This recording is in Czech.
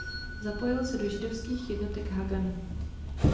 Zapojil se do židovských jednotek Hagana.